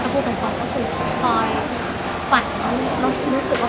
เพราะที่คุณเป็นคนคุณก็คือตอนที่พออยฝันรู้สึกว่า